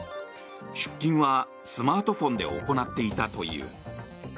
出金はスマートフォンで行っていたという。